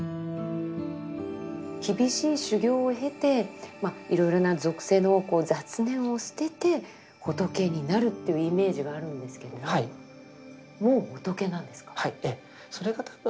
厳しい修行を経ていろいろな俗世のこう雑念を捨てて仏になるというイメージがあるんですけれどももう仏なんですか？